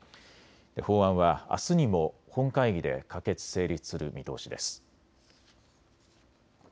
法案はあすにも本会議で可決・成立する見通しです。